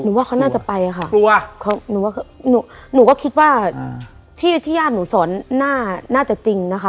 หนูว่าเขาน่าจะไปค่ะหนูก็คิดว่าที่ญาติหนูสอนน่าจะจริงนะคะ